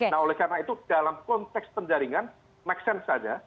nah oleh karena itu dalam konteks penjaringan make sense saja